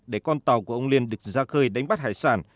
để con tàu của ông liên được ra khơi đánh bắt hải sản